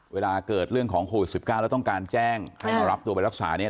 เวลาเกิดเรื่องของโควิด๑๙แล้วต้องการแจ้งให้มารับตัวไปรักษาเนี่ย